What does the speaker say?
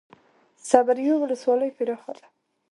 صبریو ولسوالۍ پراخه ده؟